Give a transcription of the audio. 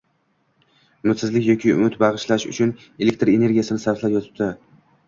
Umidsizlik yoki umid bagʻishlash uchun elektr energiyasini sarflab yotibdi